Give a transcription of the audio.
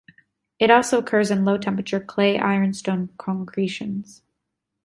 It also occurs in low-temperature clay-ironstone concretions.